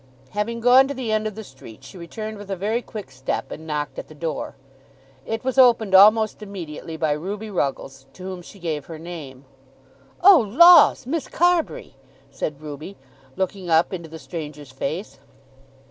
Having gone to the end of the street, she returned with a very quick step and knocked at the door. It was opened almost immediately by Ruby Ruggles, to whom she gave her name. "Oh laws, Miss Carbury!" said Ruby, looking up into the stranger's face.